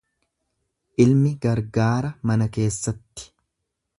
Ilmi gargaara mana keessatti.